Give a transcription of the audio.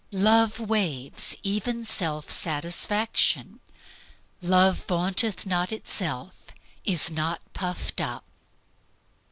Love waives even self satisfaction. "Love vaunteth not itself, is not puffed up."